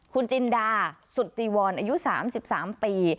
คุณจิณดาสุดจีวรอายุสามสิบสามปี